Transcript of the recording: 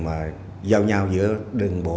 mà giao nhau giữa đường bộ